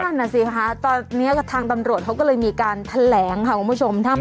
นั่นน่ะสิคะตอนนี้กับทางตำรวจเขาก็เลยมีการแถลงค่ะคุณผู้ชม